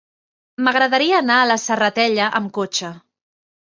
M'agradaria anar a la Serratella amb cotxe.